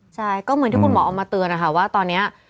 ใช่ก็เหมือนที่คุณหมอออกมาเตือนนะคะว่าตอนนี้